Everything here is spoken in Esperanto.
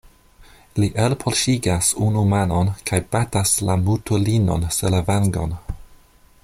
Li elpoŝigas unu manon kaj batas la mutulinon sur la vangon.